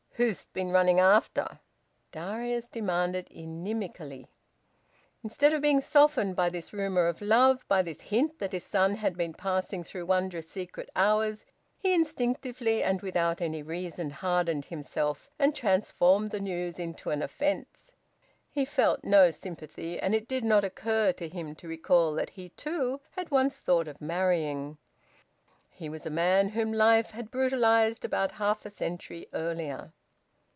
"Who'st been running after?" Darius demanded inimically. Instead of being softened by this rumour of love, by this hint that his son had been passing through wondrous secret hours, he instinctively and without any reason hardened himself and transformed the news into an offence. He felt no sympathy, and it did not occur to him to recall that he too had once thought of marrying. He was a man whom life had brutalised about half a century earlier.